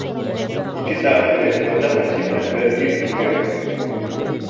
Ике сәғәт элек бында такси менән бер ир килгән!